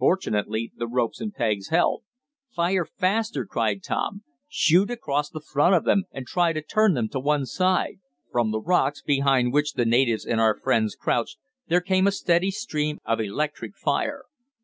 Fortunately the ropes and pegs held. "Fire faster!" cried Tom. "Shoot across the front of them, and try to turn them to one side." From the rocks, behind which the natives and our friends crouched, there came a steady stream of electric fire.